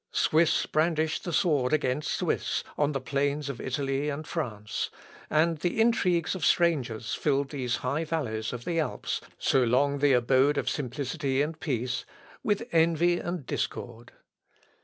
Swiss brandished the sword against Swiss on the plains of Italy and France; and the intrigues of strangers filled these high valleys of the Alps, so long the abode of simplicity and peace, with envy and discord.